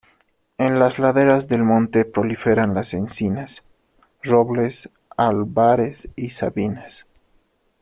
En las laderas de El Monte proliferan las encinas, robles albares y sabinas.